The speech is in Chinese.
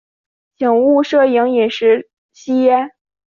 请勿摄影、饮食、吸烟